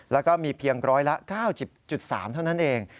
แล้วก็มีเพียงร้อยละ๙๐๓เท่านั้นเอง